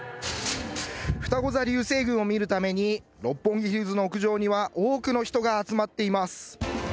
ふたご座流星群を見るために六本木ヒルズの屋上には多くの人が集まっています。